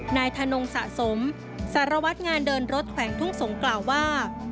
นายธนงสะสมสารวัตรงานเดินรถแขวงทุ่งสงศกล่าวว่า